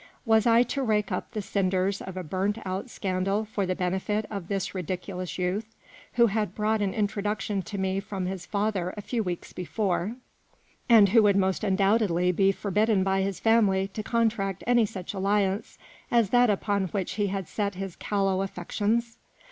Was I to rake up the cinders of a burnt out scandal for the benefit of this ridiculous youth, who had brought an introduction to me from his father a few weeks before, and who would most undoubtedly be forbidden by his family to contract any such alliance as that upon which he had set his callow affections